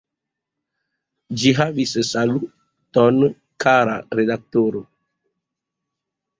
Ĝi havis saluton: "Kara redaktoro!